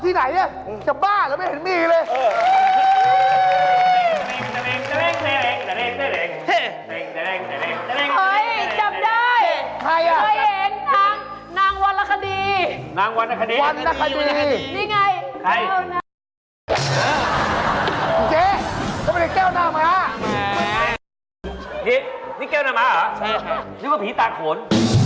แก้วหน้าม้านี่แก้วหน้าม้าหรอนึกว่าผีตาโขน